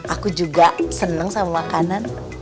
aku juga senang sama makanan